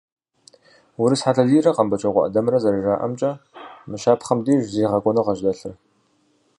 Урыс Хьэтэлийрэ Къэмбэчокъуэ ӏэдэмрэ зэрыжаӏэмкӏэ, мы щапхъэм деж зегъэкӏуэныгъэщ дэлъыр.